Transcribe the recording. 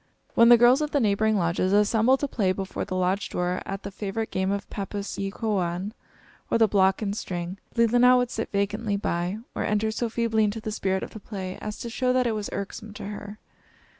When the girls of the neighboring lodges assembled to play before the lodge door at the favorite game of pappus e kowaun, or the block and string, Leelinan would sit vacantly by, or enter so feebly into the spirit of the play as to show that it was irksome to her.